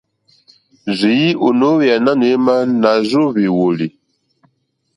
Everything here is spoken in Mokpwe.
Rzìi ò no ohweya nanù ema, na rza ohvi woli.